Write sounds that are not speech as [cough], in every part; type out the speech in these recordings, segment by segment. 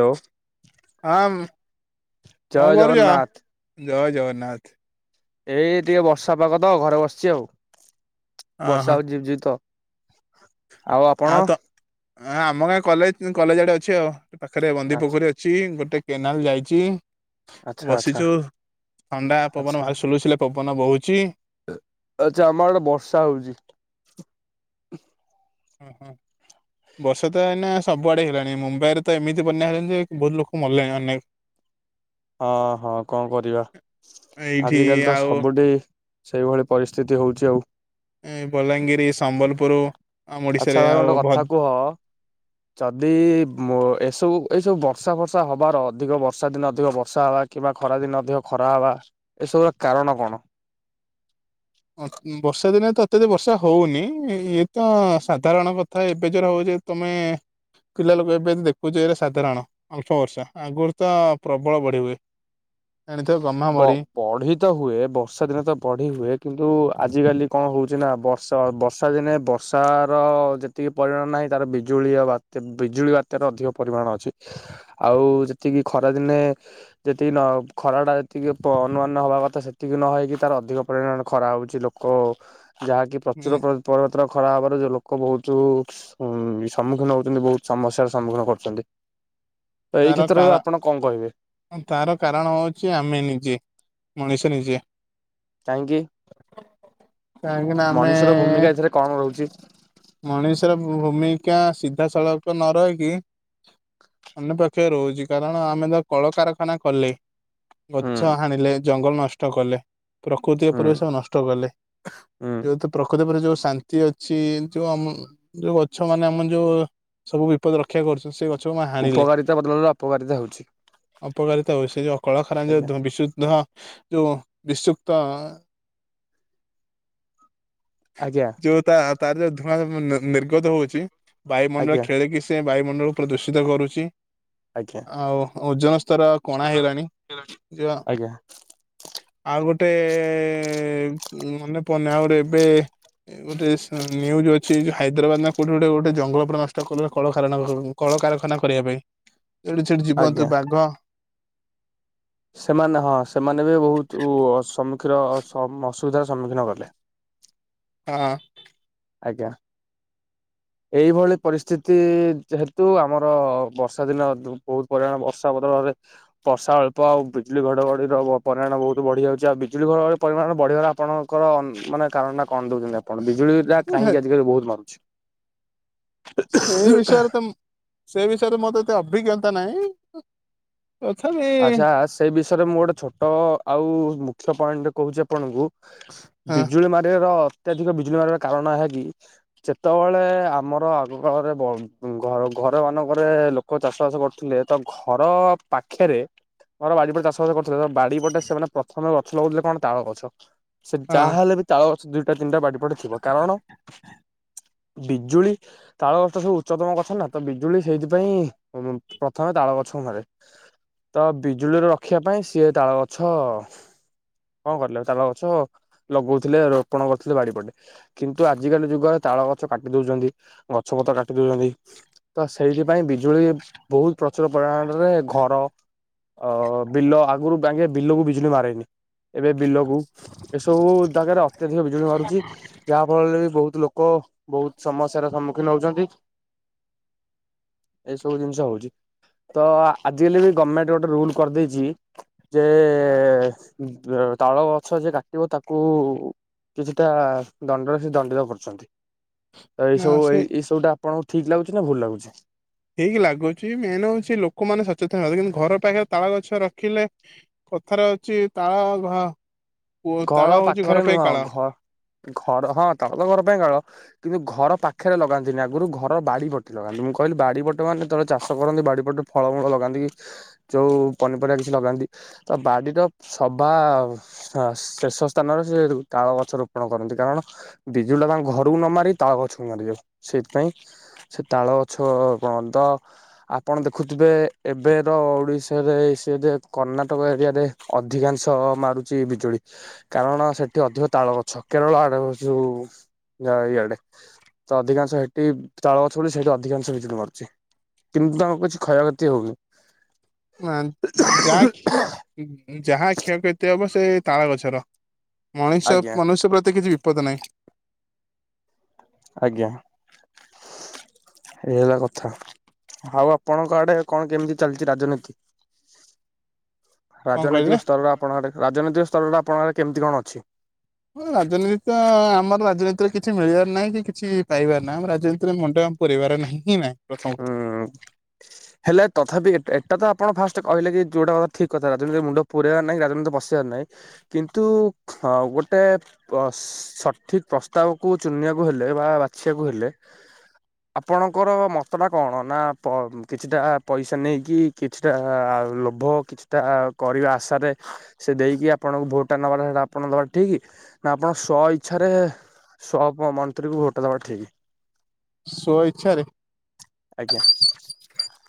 ଲୋ। ଆମ୍, ଜୟ କଣ କରୁଛ? ଜଗନ୍ନାଥ ଜୟ ଜଗନ୍ନାଥ। ଏଇ ଟିକେ ବର୍ଷା ପାଗ ତ ଘରେ ବସିଛି ଆଉ, ଅ ହଁ ବର୍ଷା ହଉଛି ଝିପ୍ ଝିପ୍ ତ। ଆଉ ତ, ଆମ ଗାଁ କଲେ କଲେଜ ଆଡେ ଅଛି ଆଉ। ପାଖରେ ବନ୍ଦୀ ଆଛା ପୋଖରୀ ଅ ଛି, ଗୋଟେ କେନାଲ ଯାଇଛି। ଆଚ୍ଛା ଆଚ୍ଛା ବସିଚୁ, ଥଣ୍ଡା ପବନ ଆଚ୍ଛା ଭାରି ସୁଲୁ ସୁୁଲିଆ ପବନ ବୋହୁଚିଁ। ଆଚ୍ଛା, ଆମ ଆଡେ ବର୍ଷା ହଉଛି। ହଁ ହଁ। ବର୍ଷା ତ ଏଇନା ସବୁଆଡେ ହେଲାଣି। ମୁମ୍ବାଇ ରେ ତ ଏମିତି ବନ୍ୟା ହେଲାଣି ଯେ, ବହୁତ ଲୋକ ମଲେଣି ଅନେକ। ଅ, ହ କଣ କରିବା? ଏଇଠି ଆଜିକାଲି ତ ଆଉ ସବୁଠି ସେଇଭଳି ପରିସ୍ଥିତି ହଉଛି ଆଉ। ଏ ବଲାଙ୍ଗିରି, ସମ୍ବଲପୁରୁ। ଆଛା, ଭାଇ ଗୋଁଟେ କଥା କୁହ ଯଦି-ଇ, ମୋ ଏସବୁ ଏସବୁ ବର୍ଷା ଫର୍ଷା ହବାର ଅଧିକ ବର୍ଷା ଦିନ ଅଧିକ ବର୍ଷା ହବା କିମ୍ବା ଖରାଦିନ ଅଧିକ ଖରା ହବା ଏସବୁର କାରଣ କଣ? ଅଁ ବର୍ଷା ଦିନେ ତ ଅତ୍ୟଧିକ ବର୍ଷା ହଉନି। ଇଏ ତଁ ସାଧାରଣ କଥା ଏବେ ଯୋରା ହଉଛି ତୁମେ-ଏଁ ପିଲା ଲୋକ ଏବେ ତ ଦେଖୁଛ, ଏଇରା ସାଧାରଣ, ଅଳ୍ପ ବର୍ଷା। ଆଗରୁ ତ ପ୍ରବଳ ବଢି ହୁଏ। ଏଣିଥିବ ଗହ୍ମା ବ ବଢି ବଢି ତ ହୁଏ, ବର୍ଷା ଦିନ ତ ବଢି ହୁଏ। କିନ୍ତୁ ଆଜିିକାଲି କଣ ହଉଛି, ନା ବର୍ଷ ଷ ବର୍ଷା ଦିନେ, ବର୍ଷାର-ଅ ଯେତିକି ପରିଣ ନାହିଁ, ତାର ବିଜୁଳି ବାତ୍ ବିଜୁଳି, ବାତ୍ୟାର ଅଧିକ ପରିମାଣ ଅଛି। ଆଉ ଯେତିକି ଖରା ଦିନେ, ଯେତିକି ନ ଖରା ଟା ଟିକେ ପଅନୁମାନ ହବା କଥା, ସେତିକି ନହେଇକି ତାର ଅଧିକ ପରିଣାମ ଖରାହଉଛି। ଲୋକ ଯାହାକି ପ୍ରଚୁର ପ ପରିବର୍ତନ ଖରାହେବାରୁ, ଯଉ ଲୋକ ବହୁତୁ ଉଁ ସମ୍ମୁଖୀନ ହଉଛନ୍ତି, ବହୁତ ସମସ୍ୟାର ସମ୍ମୁଖୀନ କରୁଛନ୍ତି। ଏଇ ତାର କ୍ଷେତ୍ରରେ କାର ଆପଣ କଣ କହିବେ? ତାର କାରଣ ହଉଁଛି, ଆମେଁ ନିଜେ। ମଣିଷ ନିଜେ। କାହିଁକି! କାହିଁକି ନା ଆମେ ମଣିଷର ଭୂମିକା ଏଥିରେ କଣ ରହୁଛି? ମଣିଷର ଭୂମିକା ସିଧାସଳଖ ନ ରହିକି ଅନ୍ୟପକ୍ଷେ ରହୁଛି, କାରଣ ଆମେ ତ କଳକାରଖାନା କଲେ। ଗଛ ହୁଁ। ହାଣିଲେ ଜଙ୍ଗଲ ନଷ୍ଟ କଲେ। ପ୍ରକୃତି ଓ ପରିବେଶ ହୁଁ ନଷ୍ଟ କଲେ ହୁଁ ଯେହେତୁ ପ୍ରକୃତି ଉପରେ ଯୋଉ ଶାନ୍ତି ତି ଅଛି ଯୋଉମ ଯୋଉ ଗଛ ମାନେ ଆମ ଯୋଉ ସବୁ ବିପଦ ରକ୍ଷା କରୁଛନ୍ତି ସେ ଗଛ ଉପକାରିତା ବଦଳରେ ଅପକାରିତା ହେଉଛି। ଅପକାରିତା ହଉସି ସେ ଯୋଉ ଅକଳଖରାଜ ଧୂ ବିଶୁଦ୍ଧଧୂଆଁ ଯୋଉ ବିଶୁକ୍ତ ଏଁ ଆଜ୍ଞା ଯୋଉ ତା ତାର ଯୋଉ ଧୂଆଁ ନି ନିର୍ଗତ ହଉଛି ବାୟୁମଣ୍ଡଳ ଆଜ୍ଞା ଖେଳିକି ସ ସେ ବାୟୁମଣ୍ଡଳ ପ୍ରଦୂଷିତ କରୁଛି। ଆଜ୍ଞା। ଆଉ ଓଜନ ସ୍ତର କଣା ହେଇଲାଣି ଯ ଆଜ୍ଞା ଆଉ ଗୋଟେ ମାନେ ପନେ ଆଉଗୋଟେ ଏବେ ଗୋଟେ ସ ନ୍ୟୁଜ ଅଛି ଯୋଉ ହାଇଦ୍ରାବାଦ ନା କୋଉଠି ଗୋଟେ ଗୋଟେ ଜଙ୍ଗଲ ପୁରା ନଷ୍ଟ କର୍ଲା କଳ କାରଣ। କଳକାରଖାନା କରିବା ପାଇଁ ଏଇଠି ସେଠି ଆଜ୍ଞା। ଜୀିବନ୍ତୁ ବାଘ ସେମାନେ ହଁ ସେମାନେ ବି ବହୁତ ଉ ସମ୍ମୁଖୀନ ଅସୁବିଧାର ସମ୍ମୁଖୀନ କଲେ ହଁ ଆଜ୍ଞା ଏହିଇଭଳି ପରିସ୍ଥିତି ଯେହେତୁ ଆମର ବର୍ଷା ଦିନ ଦୁ ବହୁତ ପରିମାଣ ବର୍ଷା ବଦଳରେ ବର୍ଷା ଅଳ୍ପ ଆଉ ବିଜୁଳି ଘଡଘଡିର ବ ପରିମାଣ ବହୁତ ବଢିଯାଉଛି ଆଉ ବିଜୁଳି ଘଡଘଡି ପରିମାଣ ବଢିଗଲା ଆପଣଙ୍କର ମାନେ କାରଣ ଟା କଣ ଦଉଛନ୍ତି ଆପଣ ବିଜୁଳି ଟା ହଁ କାହିଁକି ଆଜିକାଲି ବହୁତ ମାରୁଛି ସେଇ ବିଷୟରେ ତ ମୁଁ ସେଇ ବିଷୟରେ ମତେତ ଅଭିିଜ୍ଞତା ନାହିଁ ଅଛ ବି ଆଚ୍ଛା ସେଇ ବିଷୟରେ ମୁଁ ଗୋଟେ ଛୋଟ ଆଉ ମୁଖ୍ୟ ପଏଣ୍ଟରେ କହୁଛି ଆପଣଙ୍କୁ ହଁ ବିଜୁଳି ମାରିବାର ଅତ୍ୟଧିକ ବିଜୁଳି ମାରିବାର କାରଣ ଏହା କିି ଯେତେବେଳେ ଆମର ଆଗକାାଳରେ ବ ଘ ଘର ମାନଙ୍କରେ କ ଚାଷ ବାସ କରୁଥିଲେ ତ ଘର ପା ପାଖରେ ମୋର ବାଡ଼ିପଟେ ଚାଷବାସ କରୁଥିଲେ ତ ବାଡି ପଟେ ସେମାନେ ପ୍ରଥମେ ଗଛ ଲଗାଉଥିଲେ କଣ ତାଳ ଗଛ ସେ ହଁ ଯାହାହେଲେ ବି ତାଳ ଗଛ ଦିଇଟା ତିନିଟା ବାଡ଼ି ପଟେ ଥିବ କାରଣ ବିଜୁଳି ତାଳ ଗଛ ତ ସବୁ ଉଚ୍ଚତମ ଗଛ ନା ତ ବିଜୁଳି ସେଇଥିପାଇଁ ଉ ପ୍ରଥମେ ତାଳ ଗଛ ମରେ ତ ବିଜୁଳିରୁ ରଖିବା ପାଇଁ ସିଏ ତାଳ ଗଛ କଣ କରିଲ ତାଲ ଗଛ ଲଗଉଥିଲେ ରୋପଣ କରୁଥିଲେ ବାଡି ପଟେ କିନ୍ତୁ ଆଜିକାଲି ଯୁଗରେ ତାଳ ଗଛ କାଟି ଦଉଛନ୍ତି ଗଛପତ୍ର କାଟି ଦଉଛନ୍ତି ତ ସେଇଥିପାଇଁ ବିଜୁଳି ବହୁତ ପ୍ରଚୁର ପରିମାଣରେ ଘର ଅ ବିଲ ଆଗରୁ ବାଗେ ବିଲକୁ ବିଜୁଳି ମାରେନି ଏବେ ବିଲକୁ ଏସବୁ ଦାଗାରେ ଅତ୍ୟଧିକ ବିଜୁଳି ମାରୁଛି ଯାହା ଫଳରେ ବି ବହୁତ ଲୋକ କ ବହୁତ ସମସ୍ୟାର ସମ୍ମୁଖୀନ ହଉଛନ୍ତି। ଏଇ ସବୁ ଜିନିଷ ହଉଛି ତ ଆଜିକାଲି ବି ଗଭର୍ଣ୍ଣମେଣ୍ଟ ଗୋଟେ ରୁଲ କରିଦେଇଛି ଯେ ତାଳ ଗଛ ଯିଏ କାଟିବ ତାକୁ କିଛିଟା ଦଣ୍ଡରେ ସେ ଦଣ୍ଡିତ କରୁଛନ୍ତି ତ ଏଇ ନା ସବୁ ଏଇ ସେ ଏଇ ସବୁ ଟା ଆପଣଙ୍କୁ ଠିକ ଲାଗୁଛି ନା ଭୁଲ ଲାଗୁଛି ହେଇକି ଲାଗୁଛି ମେନ୍ ହଉଛି ଲୋକମାନେ ସଚେତନ ହେନ୍ତି କିନ୍ତୁ ଘର ପାଖରେ ତାଳ ଗଛ ରଖିଲେ କଥାରେ ଅଛି ତାଳ ଘ ପୁଅ ତାଳ ଘର ହଉଛି ଘର ପାଖରେ ପାଇଁ ନୁହଁ କାଳ ଘ ଘର ହଁ ତାଳ ତ ଘର ପାଇଁ କାଳ କିନ୍ତୁ ଘର ପାଖରେ ଲଗାନ୍ତିନି ଆଗରୁ ଘର ବାଡି ବଟି ଲଗାନ୍ତି ମୁଁ କହିଲି ବାଡି ପଟ ମାନେ ତଳେ ଚାଷ କରନ୍ତି ବାଡି ପଟ ଫଳମୂଳ ଲଗାନ୍ତି କି? ଯେଉଁ ପନିପରିବା କିଛି ଲଗାନ୍ତି ତ ବାଡ଼ିର ସଭା ହଁ ଶେଷ ସ୍ଥାନରେ ସେ ତାଳ ଗଛ ରୋପଣ କରନ୍ତି କାରଣ ବିଜୁଳୀ ଟା ତାଙ୍କ ଘରକୁ ନ ମାରି ତା ଗଛକୁ ମାରିଯାଉ ସେଇଥିପାଇଁ ସେ ତାଳ ଗଛ ପଣନ୍ତ ଆପଣ ଦେଖୁଥିବେ ଏବେର ଓଡ଼ିଶାରେ ସେ ଯେ କର୍ଣ୍ଣାଟକ ଏରିଆରେ ଅଧିକାଂଶ ମାରୁଛି ବିଜୁଳି କାରଣ ସେଠି ଅଧିକ ତାଳ ଗଛ କେରଳାର ଯୋଉ ଯ ଇଆଡେ ତ ଅଧିକାଂଶ ସେଠି ତାଳଛଳି ବୋଲି ସେଠି ଅଧିକାଂଶ ବିିଜୁଳି ମାରୁଛି କିନ୍ତୁ ତାଙ୍କୁ କିଛି କ୍ଷୟକ୍ଷତି ହଉନି ହ ଯାହା କ୍ଷ ଯାହା କ୍ଷୟକ୍ଷତି ହବ ସେ ତାଳ ଗଛର ମଣିଷ ଆଜ୍ଞା ମନୁଷ୍ୟ ପ୍ରତି କିଛି ବିପଦ ନାହିଁ ଆଜ୍ଞା ଏଇ ହେଲା କଥା ଆଉ ଆପଣଙ୍କ ଆଡେ କଣ କେମିତି ଚାଲିଛି ରାଜନୀତି? କଣ କହିଲେ ରାଜନୈତିକ ସ୍ତରରେ ଆପଣଙ୍କ ରାଜନୈତିକ ସ୍ତରରେ ଆପଣଙ୍କ କେମିତି କଣ ଅଛି? ହଁ ରାଜନୀତି ତ ଆମର ରାଜନୀତିରେ କିଛି ମିଳିବାର ନାହିଁ କି କିଛି ପାଇବାର ନାହିଁ ଆମ ରାଜନୀତିରେ ମୁଣ୍ଡ - ପୁରେଇବାର ନାହିଁ ହିଁ ନାହିଁ ପ୍ରଥମ ହୁଁ [inaudible] ହେଲେ ତଥାପି ଏଟା ତ ଆପଣ ଫାଷ୍ଟ କହିଲେ କି ଯେଉଁଟା ଠିକ୍ କଥା ରାଜନୀତିକ ମୁଣ୍ଡ ପୁରାଇାର ନାହିଁ ରାଜନୀତି ପସିବାର ନାହିଁ କିନ୍ତୁ ଗୋଟାଏ ଅ ସଠିକ ପ୍ରସ୍ତାବକୁ ଚୁନିବାକୁ ହେଲେ ବା ବାଛିବାକୁ ହେଲେ ଆପଣଙ୍କର ମ ନା କଣ ନା କିଛିଟା ପଇସା ନେଇକି କିଛିଟା ଲୋଭ କିଛିଟା କରିବା ଆଶାରେ ସେ ଦେଇକି ଆପଣଙ୍କୁ ଭୋଟଟା ନେବାର ସେଇଟା ଆପଣ ଦେବାର ଠିକ୍ ନା ଆପଣ ସ୍ୱ ଇଚ୍ଛାରେ ସପ ମନ୍ତ୍ରୀଙ୍କୁ ଭୋଟ ଦେବା ଠିକ ସ୍ୱ ଇଚ୍ଛାରେ ଆଜ୍ଞା [unintelligible]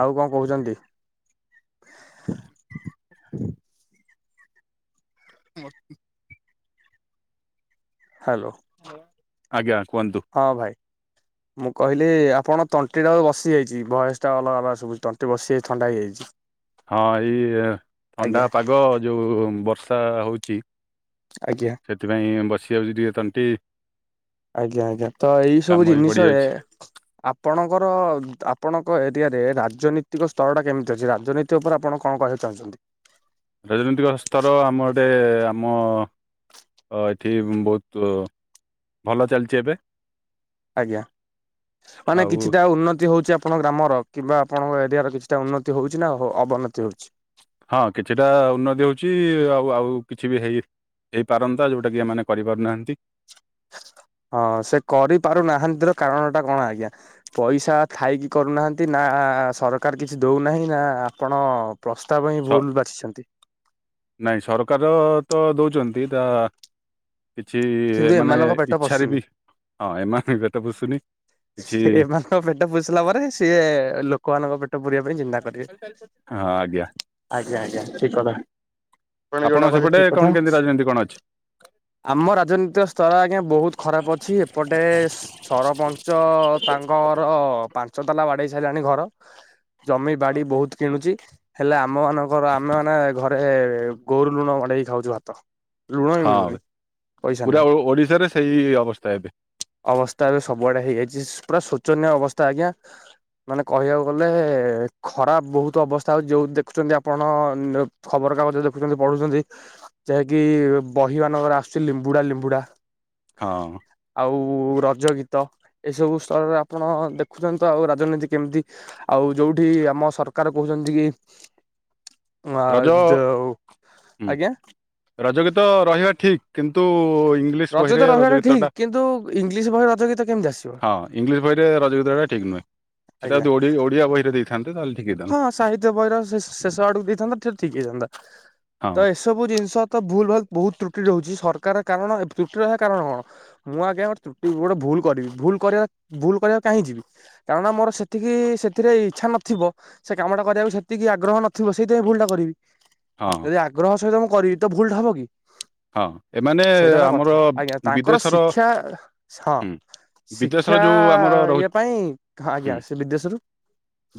ଆଉ କଣ କହୁଛନ୍ତି? [unintelligible] ହ୍ୟାଲୋ ଆଜ୍ଞା କୁହନ୍ତୁ ହଁ ଭାଇ ମୁଁ କହିଲି ଆପଣ ତଣ୍ଟିଟା ବସିଯାଇଛି ଭଏସଟା ଅଲଗା ଅଲଗା ଶୁଭୁଛି ତଣ୍ଟି ବସିଯାଇଛି ଥଣ୍ଡା ହେଇଯାଇଛି ହଁ ଏଇ ଆଜ୍ଞା। ଥଣ୍ଡା ପାଗ ଯୋଉ ବର୍ଷା ହଉଛି ଆଜ୍ଞା। ସେଥିପାଇଁ ବସିିଯାଉଛି ଟିକେ ତଣ୍ଟି ଆଜ୍ଞା ଆଜ୍ଞା ତ ଏଇ ସବୁ କାମ ବି ଜିନିଷରେ ପଡିଯାଉଛି। ଆପଣଙ୍କର ଆପଣଙ୍କ ଏରିଆରେ ରାଜନୈତିକ ସ୍ତରଟା କେମିତି ଅଛି? ରାଜନୀତି ତ ଉପରେ ଆପଣ କଣ କହିବାକୁ ଚାହୁଁଛନ୍ତି? ରାଜନୈତିକ ସ୍ତର ଆମ ଆଡ଼େ ଆମ ହ ଏଠି ବହୁତ ଭଲ ଚାଲିଛି ଏବେ ଆଜ୍ଞା ହଁ ନା ଆଉ କିଛିଟା ଉନ୍ନତି ହଉଛି ଆପଣଙ୍କ ଗ୍ରାମର କିମ୍ବା ଆପଣଙ୍କ ଏରିଆର କିଛିଟା ଉନ୍ନତି ହଉଛି, ନା ଅବନତି ହଉଛି? ହଁ କିଛିଟା ଉନ୍ନତି ହଉଛି ଆଉ ଆଉ କିଛି ବି ହେଇ ହେଇପାରନ୍ତା ଯୋଉଟା କି ଏମାନେ କରିପାରୁନାହାନ୍ତି ହଁ ସେ କରି ପାରୁ ନାହାନ୍ତିର କାରଣ ଟା କଣ ଆଜ୍ଞା ପଇସା ଥାଇକି କରୁନାହାନ୍ତି ନା ସରକାର କିଛି ଦେଉନାହିଁ ନା ଆପଣ ପ୍ରସ୍ତାବ ହିଁ ସ ଭୁଲ ବାଛିଛନ୍ତି ନାଇଁ ସରକାର ତ ଦଉଛନ୍ତି ତା କିଛି କିନ୍ତୁ ଏମାନେେ ଏମାନଙ୍କ ପେଟ ଇଚ୍ଛାରେ ପୋଷୁନି ବି ହଁ ଏମାନେ ପେଟ ପୋଷୁନି କିଛି ଏମାନଙ୍କ ପେଟ ପୋଷିଲା ପରେ ସିଏ ଲୋକମାନଙ୍କ ପେଟ ପୁରିବା ପାଇଁ ଚିନ୍ତା ବୋଧେ ହଁ ଆଜ୍ଞା ଆଜ୍ଞା ଆଜ୍ଞା ଠିକ କଥା ଆପ। ଣ ଆପଣ ଯୋଉଟା କହିଲେ ସେପଟେ ଠିକ କଣ କଥା କେମିତି ରାଜନୀତି କଣ ଅଛି? ଆମ ରାଜନୀତିକ ସ୍ତର ଆଜ୍ଞା ବହୁତ ଖରାପ ଅଛି ଏପଟେ ସରପଞ୍ଚ ଚ ତାଙ୍କର ପାଞ୍ଚ ତାଲା ବାଡେଇ ସାରିଲାଣି ଘର। ଜମି ବାଡି ବହୁତ କିଣୁଛି ହେଲେ ଆମ ମାନଙ୍କର ଆମେ ମାନେ ଘ ଗୋରୁ ଲୁଣ ବଡେଇକି ଖାଉଛୁ ଭାତ। ଲୁଣ ବି ମିଳୁନି ହଁ ପଇସା ପୁରା ନାହିଁ ଓଡ଼ିଶାରେ ସେଇ ଅବସ୍ଥା ଏବେ। ଅବସ୍ଥା ବି ସବୁଆଡେ ହେଇଯାଇଛି ପୁରା ଶୋଚନୀୟ ଅବସ୍ଥା ଆଜ୍ଞା। ମାନେ କହିବାକୁ ଗଲେ ଖରାପ ବହୁତ ଅବସ୍ଥା ହଉଛି ଯଉ ଦେଖୁଛନ୍ତି ଆପଣ ଖବରକାଗଜ ଦେଖୁଛନ୍ତି ପଢୁଛନ୍ତି। ଯାହାକି ବହି ମାନଙ୍କର ଆସୁଛି ଲିମ୍ବୁଡା ଲିମ୍ବୁଡା। ହଁ। ଆଉ ରଜ ଗୀତ ଏଇସବୁ ସ୍ତରରେ ଆପଣ ଦେଖୁଛନ୍ତି ତ ଆଉ ରାଜନୀତି କେମିତି ଆଉ ଯୋଉଠି ଆମ ସରକାର କହୁଛନ୍ତି କି ରଜ ଯୋଉ ହୁଁ ଆଜ୍ଞା ରଜ ଗୀତ ରହିବା ଠିକ୍। କିନ୍ତୁ ଇଂଲିଶ ତ ବହିରେ ରହିବାଟା ରଜ ଗୀତା ଠିକ ଟା କିନ୍ତୁ ଇଂଲିଶ ବହି ରଜ ଗୀତ କେମିତି ଆସିବ ହଁ ଇଂଲିଶ ବହିରେ ରଜ ଗୀତ ଟା ଠିକ୍ ନୁହେଁ ସେଟା ଆଜ୍ଞା ଯଦି ଓଡ଼ି ଓଡ଼ିଆ ବହିରେ ଦେଇଥାନ୍ତେ ତାହେଲେ ଠିକ ହଁ ହେଇଥାନ୍ତା। ସାହିତ୍ୟ ବହିର ଶେଷ ଆଡକୁ ଦେଇଥାନ୍ତା ସେଇଟା ଠିକ୍ ହେଇଥାନ୍ତା। ହଁ ଏ ସବୁ ଜିନିଷ ତ ଭୁଲ ଭାଲ ବହୁତ ତ୍ରୁଟି ରହୁଛି ସରକାର କାରଣ ତ୍ରୁଟି ରହିବା କାରଣ କଣ? ମୁଁ ଆଜ୍ଞା ଗୋଟେ ତୁଟି ଗୋଟେ ଭୁଲ କରିବି ଭୁଲ କରିବା ଭୁଲ କରିବାକୁ କାହିଁ ଯିବି? କାରଣ ମୋର ସେତିକି ସେଥିରେ ଇଚ୍ଛା ନଥିବ। ସେ କାମ ଟା କରିବାକୁ ସେତିକି ଆଗ୍ରହ ନଥିବ ସେଇଥିପାଇଁ ଭୁଲଟା କରିବି। ହଁ। ଯଦି ଆଗ୍ରହ ସହିତ ମୁଁ କରିବି, ତ ଭଲଟା ହବ କି? ହଁ ଏମାନେ ସେଇଟା ହେଲା ଆମର କଥା ଆଜ୍ଞା ତାଙ୍କର ବିଦେଶର ଶିକ୍ଷା ହଁ। ହୁଁ ବିଦେଶର ଶିକ୍ଷା ଯୋଉ ଆମର ଇଏ ରହୁଛି ପାଇଁ କାହା ହୁଁ ଆଜ୍ଞା ସେ ବିଦେଶରୁ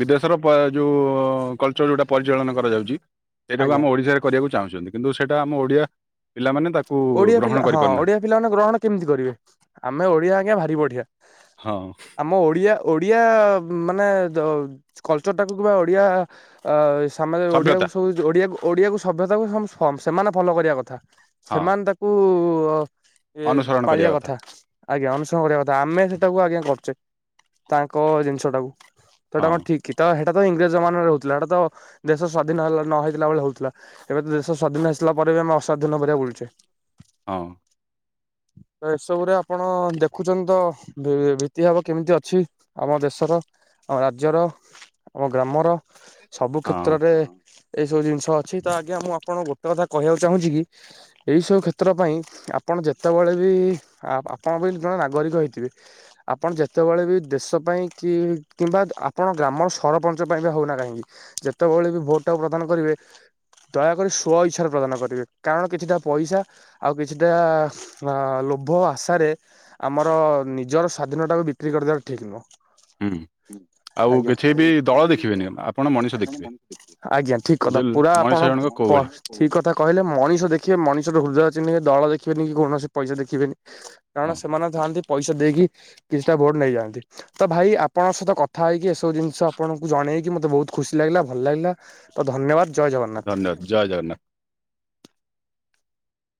ବିଦେଶର ଯଉ କଲଚର ଯଉଟା ପରିଚାଳନା କରାଯାଉଛି ସେଟାକୁ ଆଜ୍ଞା ଆମ ଓଡ଼ିଶାରେ କରିବାକୁ ଚାହୁଁଛନ୍ତି କିନ୍ତୁ ସେଇଟା ଆମ ଓଡ଼ିଆ ପିଲାମାନେ ତାକୁ ଗ୍ରହଣ କରିପାରୁନାହାନ୍ତି। ପିଲାମାନେେ ଗ୍ରହଣ କେମିତି କରିବେ ଆମେ ଓଡିଆ ଆଜ୍ଞା ଭାରି ବଢିଆ। ହଁ। ଆମ ଓଡ଼ିଆ ଓଡ଼ିଆ ମାନେ କଲଚର ଟାକୁ କିମ୍ବା ଓଡ଼ିଆ ଅ ସା ସଭ୍ୟତା ଓଡିଆକୁ ସବୁ ଓ ଓଡିଆକୁ ସଭ୍ୟତାକୁ ସେମାନେ ଫଲୋ କରିବା କଥା। ହଁ ସେମାନେ ତାକୁ ଅନୁସରଣ କରିବା ପାଳିଆ କଥା। ଆଜ୍ଞା ଅନୁସରଣ କରିବା କଥା ଆମେ ସେଟାକୁ ଆଜ୍ଞା କରୁଛେ ତାଙ୍କ ଜିନିଷ ଟାକୁ। ସେଟା ହଁ କଣ ଠିକ କି ତ ସେଇଟା ତ ଇଂରେଜ ଜମାନରେ ହଉଥିଲା ଏଟା ତ ଦେଶ ସ୍ଵାଧୀନ ହେଲା ନ ହେଇଥିଲା ବେଳେ ହଉଥିଲା। ଏବେ ତ ଦେଶ ସ୍ଵାଧୀନ ହେଇସାରିବା ପରେ ବି ଆମେ ଅସ୍ୱାଧୀନ ପରିକା ବୁଲୁଛେ। ହଁ। ତ ଏସବୁରେ ଆପଣ ଦେଖୁଛନ୍ତି ତ ଭିତ୍ତିଭାବ କେମିତି ଅଛି? ଆମ ଦେଶର ଆମ ରାଜ୍ୟର ଆମ ଗ୍ରାମର ସବୁ ହଁ କ୍ଷେତ୍ରରେ ଏଇ ସବୁ ଜିନିଷ ଅଛି ତ ଆଜ୍ଞା ମୁଁ ଆପଣଙ୍କୁ ଗୋଟେ କଥା କହିବାକୁ ଚାହୁଁଛି କି ଏଇସବୁ କ୍ଷେତ୍ର ପାଇଁ ଆପଣ ଯେତେବେଳେ ବି ଆପଣ ବି ଜଣେ ନାଗରିକ ହେଇଥିବେ ଆପଣ ଯେତେବେଳେ ବି ଦେଶ ପାଇଁ କି କିମ୍ବା ଆପଣ ଗ୍ରାମ ସରପଞ୍ଚ ପାଇଁ ବି ହେଉନା କାହିଁକି ଯେତେବେଳେ ବି ଭୋଟ ଟାକୁ ପ୍ରଦାନ କରିବେ ଦୟାକରି ସୋ ଇଚ୍ଛାରେ ପ୍ରଦାନ କରିବେ କାରଣ କିଛିଟା ପଇସା ଆଉ କିଛିଟା ଲୋଭ ଆଶାରେ ଆମର ନିଜର ସ୍ୱାଧୀନଟାକୁ ବିକ୍ରି କରିଦେବାର ଠିକ୍ ନୁହଁ। ହୁଁ। ଆଉ ଆଜ୍ଞା କିଛି ଆ ବି ଦଳ ଦେଖିବେନି ଆପଣ ମଣିଷ ଦେଖିବେ ଆଜ୍ଞା ଠିକ। କଲା ଯେ ପୁରା ଆପଣ ମଣିଷ ଜଣକ କୋଉ ଭଳି ଠିକ କଥା କହିଲେ ମଣିଷ ଦେଖିବେ ମଣିଷର ହୃଦୟ ଚିହ୍ନେ ଦଳ ଦେଖିବେନି କି କୌଣସି ପଇସା ଦେଖିବେନି। ହଁ କାରଣ ସେମାନେ ଥାଆନ୍ତି ପଇସା ଦେଇକି କିଛିଟା ଭୋଟ ନେଇଯାଆନ୍ତି। ତ ଭାଇ ଆପଣଙ୍କ ସହିତ କଥା ହେଇକି ଏସବୁ ଜିନିଷ ଆପଣଙ୍କୁ ଜଣେଇକି ମତେ ବହୁତ ଖୁସି ଲାଗିଲା ଭଲ ଲାଗିଲା। ତ ଧନ୍ୟବାଦ ଜୟ ଜଗନ୍ନାଥ। ଜୟ ଧନ୍ୟବାଦ ଜଗନ୍ନାଥ।